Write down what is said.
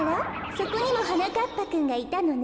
そこにもはなかっぱくんがいたのね。